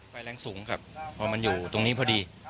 ไฟแรงสูงครับพอมันอยู่ตรงนี้พอดี